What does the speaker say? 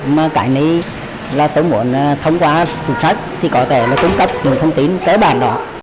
mà cái này là tôi muốn thông qua chính sách thì có thể là cung cấp những thông tin cơ bản đó